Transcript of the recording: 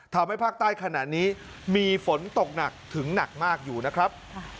ทำให้ภาคใต้ขณะนี้มีฝนตกหนักถึงหนักมากอยู่นะครับ